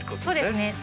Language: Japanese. そうですね。